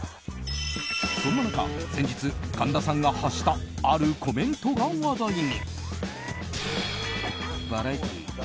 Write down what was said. そんな中、先日神田さんが発したあるコメントが話題に。